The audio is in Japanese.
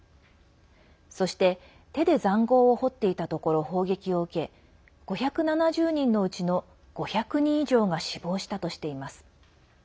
そして手で、ざんごうを掘っていたところ砲撃を受け５７０人のうちの５００人以上が死亡したとしています。